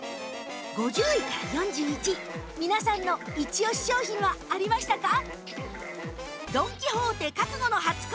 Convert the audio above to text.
５０位から４１位皆さんのイチオシ商品はありましたか？